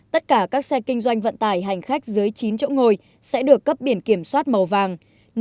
tất cả các xe kinh doanh vận tải hành khách dưới chín chỗ ngồi sẽ được cấp biển kiểm soát màu vàng